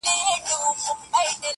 • بندولې یې د خلکو د تلو لاري -